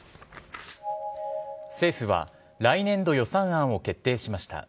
政府は来年度予算案を決定しました。